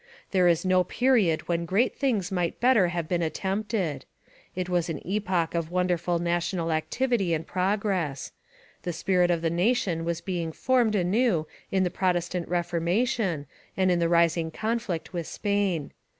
There is no period when great things might better have been attempted. It was an epoch of wonderful national activity and progress: the spirit of the nation was being formed anew in the Protestant Reformation and in the rising conflict with Spain.